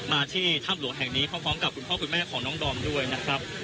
มาที่ถ้ำหลวงแห่งนี้พร้อมกับคุณพ่อคุณแม่ของน้องดอมด้วยนะครับ